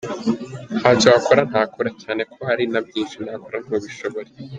Ntacyo wakora ntakora, cyane ko hari na byinshi nakora ntubishobore.